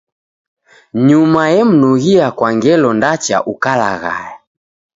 Nyuma emnughia kwa ngelo ndacha ukalaghaya.